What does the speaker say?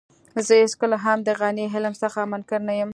زه هېڅکله هم د غني له علم څخه منکر نه يم.